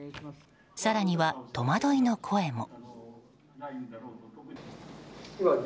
更には、戸惑いの声も。